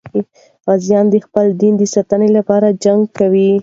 غازیان د خپل دین د ساتنې لپاره جنګ کوي.